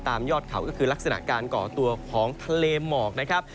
ยอดเขาก็คือลักษณะการก่อตัวของทะเลหมอกนะครับ